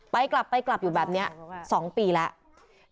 กลับไปกลับอยู่แบบนี้๒ปีแล้ว